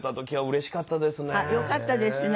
あっよかったですね。